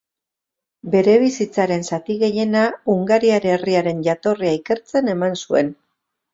Bere bizitzaren zati gehiena hungariar herriaren jatorria ikertzen eman zuen.